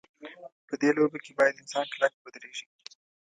په دې لوبه کې باید انسان کلک ودرېږي.